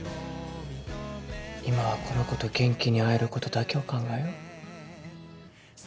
今はこの子と元気に会えることだけを考えよう。